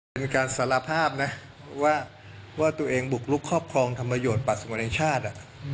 เป็นการสารภาพนะว่าตัวเองบุกลุกครอบครองธรรมโยชนปัสมวลในชาติ